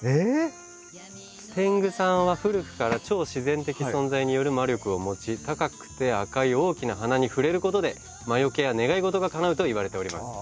「天狗さんは古くから超自然的存在による魔力を持ち高くて赤い大きな鼻に触れることで『魔よけ』や『願いごと』が叶うと言われております」。